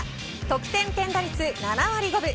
得点圏打率７割５分